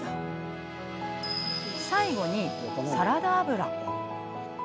最後にサラダ油。